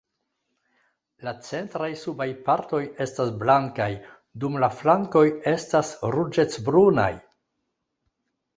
La centraj subaj partoj estas blankaj, dum la flankoj estas ruĝecbrunaj.